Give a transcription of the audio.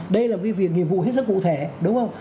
đây là một cái việc nghiệp vụ hết sức cụ thể đúng không